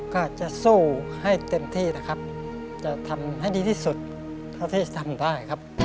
ก็จะสู้ให้เต็มที่นะครับจะทำให้ดีที่สุดเท่าที่จะทำได้ครับ